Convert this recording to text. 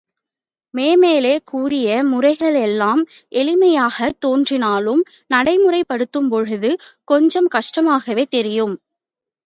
மேலே கூறிய முறைகள் எல்லாம் எளிமையாகத் தோன்றினாலும், நடைமுறைப் படுத்தும்பொழுது கொஞ்சம் கஷ்டமாகவே தெரியும்.